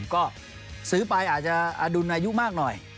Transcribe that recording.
ก็ซื้อไปอาจจะอดุลอายุมากหน่อย